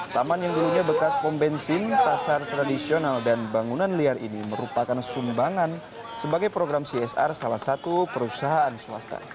taman yang dulunya bekas pom bensin pasar tradisional dan bangunan liar ini merupakan sumbangan sebagai program csr salah satu perusahaan swasta